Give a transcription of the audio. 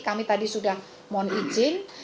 kami tadi sudah mohon izin